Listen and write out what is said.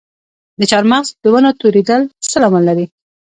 د چهارمغز د ونو توریدل څه لامل لري؟